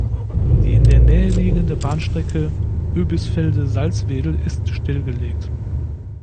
Die in der Nähe liegende Bahnstrecke Oebisfelde–Salzwedel ist stillgelegt.